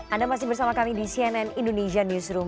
anda masih bersama kami di cnn indonesia newsroom